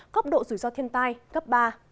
cốc độ rủi ro thiên tai cấp ba